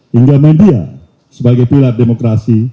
hingga media sebagai pilar demokrasi